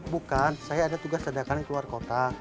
bukan saya ada tugas sedangkan di keluar kota